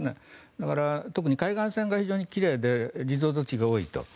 だから、特に海外線が非常に奇麗でリゾート地が多いと。